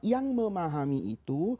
yang memahami itu